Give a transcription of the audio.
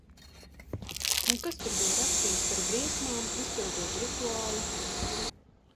Un kas tur bija rakstīts par briesmām, izpildot rituālu?